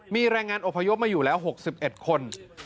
มีแรงงานอพยพมาอยู่แล้ว๖๑คน